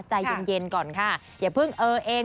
ใจเย็นก่อนค่ะอย่าเพิ่งเออเอง